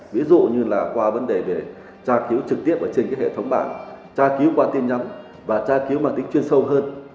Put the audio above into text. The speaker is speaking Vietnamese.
ví dụ như là qua vấn đề về tra cứu trực tiếp ở trên hệ thống bảng tra cứu qua tin nhắn và tra cứu bằng tính chuyên sâu hơn